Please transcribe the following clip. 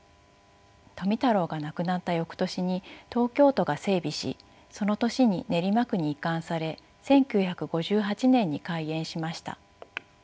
富太郎が亡くなったよくとしに東京都が整備しその年に練馬区に移管され１９５８年に開園しました。